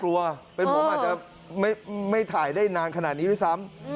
เป็นผมอาจจะไม่ถ่ายได้นานขนาดนี้ด้วยซ้ำ